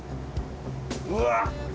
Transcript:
うわっ。